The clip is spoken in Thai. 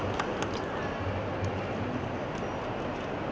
น้ำตาประสงค์สำเร็จถึงมากขนาดนี้ครับ